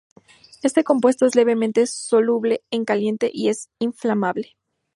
Este compuesto es levemente soluble en caliente y es inflamable.